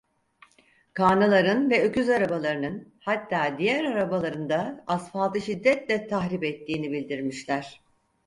Kağnıların ve öküz arabalarının, hatta diğer arabaların da asfaltı şiddetle tahrip ettiğini bildirmişler.